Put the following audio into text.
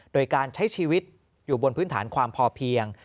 โดยการใช้ชีวิตอยู่บนพื้นฐานความพอเพียง